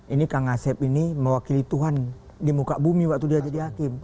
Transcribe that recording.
ini kang asep ini mewakili tuhan di muka bumi waktu dia jadi hakim